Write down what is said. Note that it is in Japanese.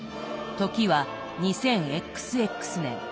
時は２０ＸＸ年。